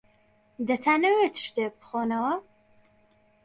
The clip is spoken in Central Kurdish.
دەتانەوێت شتێک بخۆنەوە؟